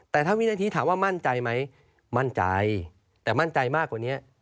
แต่ถ้าวินาทีถามว่ามั่นใจไหมมั่นใจแต่มั่นใจมากกว่านี้